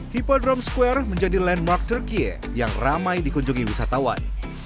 hipodrome square menjadi landmark turkiye yang ramai dikunjungi wisatawan